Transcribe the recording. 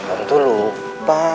om tuh lupa